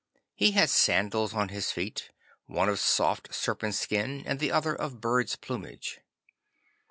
He had sandals on his feet, one of soft serpent skin and the other of birds' plumage.